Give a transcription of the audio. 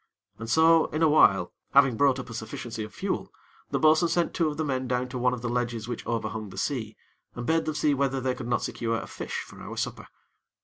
And so, in a while, having brought up a sufficiency of fuel, the bo'sun sent two of the men down to one of the ledges which overhung the sea, and bade them see whether they could not secure a fish for our supper.